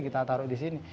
kita taruh di sini